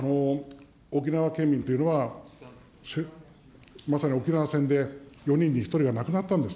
沖縄県民というのは、まさに沖縄戦で４人に１人が亡くなったんです。